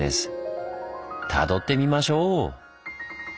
たどってみましょう！